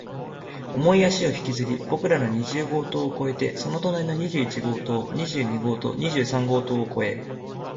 重い足を引きずり、僕らの二十号棟を越えて、その隣の二十一号棟、二十二号棟、二十三号棟を越え、